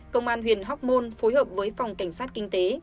công an huyện hoc mon phối hợp với phòng cảnh sát kinh tế